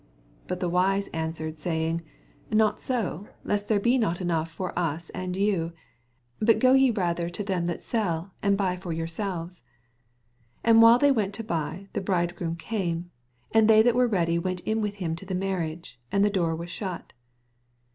9 But the wise answered, saying, Not 90 ; lest there be not enough for us and vou : but go ye rather to them that sell, and buy for yourselves. 10 And while they went to bay, the bridegroom oame ; and they that were ready went in with him to the mar riage : and the door was shut.